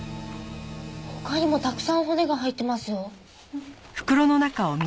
他にもたくさん骨が入ってますよ。